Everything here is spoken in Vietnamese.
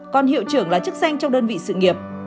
còn hiệu trưởng là chức danh trong đơn vị sự nghiệp